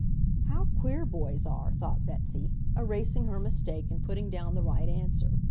"How queer boys are!" thought Betsy, erasing her mistake and putting down the right answer.